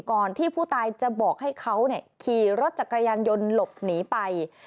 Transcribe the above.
ก่อนที่ผู้ตายจะบอกให้เขาขี่รถจักรยานยนต์หลบหนีไป